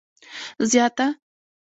زیاته